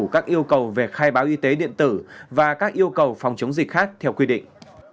các yêu cầu về khai báo y tế điện tử và các yêu cầu phòng chống dịch khác theo quy định